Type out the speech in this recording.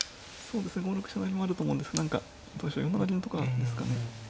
５六飛車成もあると思うんですけど何か４七銀とかですかね。